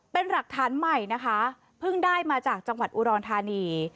เป็นหลักฐานใหม่นะคะเพิ่งได้มาจากจังหวัดอุดรธานี